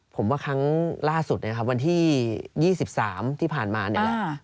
ผมว่าครั้งล่าสุดนะครับวันที่๒๓ที่ผ่านมาเนี่ยแหละ